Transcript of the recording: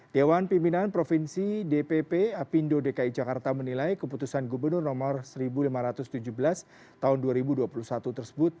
dewan pimpinan provinsi dpp apindo dki jakarta menilai keputusan gubernur nomor seribu lima ratus tujuh belas tahun dua ribu dua puluh satu tersebut